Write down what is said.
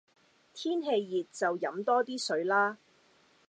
天氣熱就飲多啲水啦